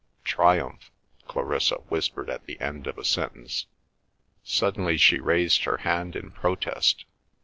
"Triumph!" Clarissa whispered at the end of a sentence. Suddenly she raised her hand in protest.